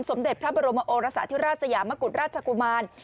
สมเด็จพระบรมโอรสาธิราชสยามกุฎราชกุมาร